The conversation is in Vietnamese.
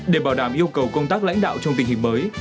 để bảo đảm yêu cầu công tác lãnh đạo trong tình hình mới